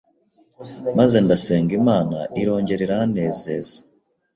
maze ndasenga Imana irongera iranezeza